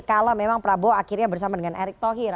kalau memang prabowo akhirnya bersama dengan erick thohir